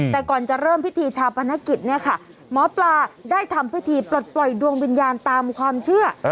แต่ก่อนจะเริ่มพิธีชาปนกิจเนี่ยค่ะหมอปลาได้ทำพิธีปลดปล่อยดวงวิญญาณตามความเชื่อ